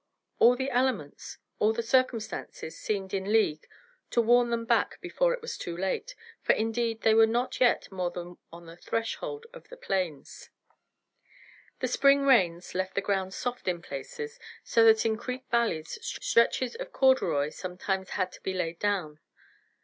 All the elements, all the circumstances seemed in league to warn them back before it was too late, for indeed they were not yet more than on the threshold of the Plains. The spring rains left the ground soft in places, so that in creek valleys stretches of corduroy sometimes had to be laid down.